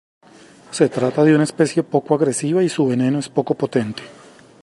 Se trata de una especie poco agresiva y su veneno es poco potente.